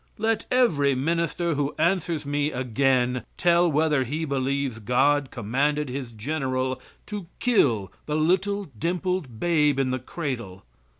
Let every minister who answers me again tell whether he believes God commanded his general to kill the little dimpled babe in the cradle.